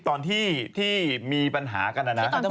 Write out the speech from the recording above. ตอนที่มีปัญหากันนะนะ